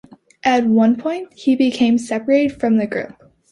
At one point, he became separated from the group.